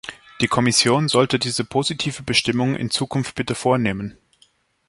Die Kommission sollte diese positive Bestimmung in Zukunft bitte vornehmen.